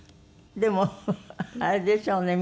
でもあれでしょうね